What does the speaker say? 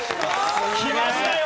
きましたよ！